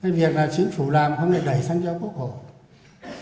nên việc là chính phủ làm không phải đẩy sang cho quốc hội